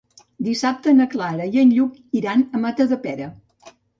Dissabte na Clara i en Lluc iran a Matadepera.